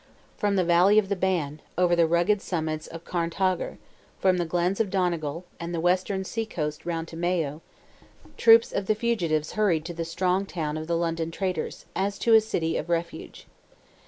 From the valley of the Bann, over the rugged summits of Carntogher, from the glens of Donegal, and the western sea coast round to Mayo, troops of the fugitives hurried to the strong town of the London traders, as to a city of refuge.